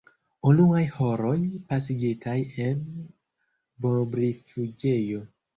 Unuaj horoj, pasigitaj en bombrifuĝejo.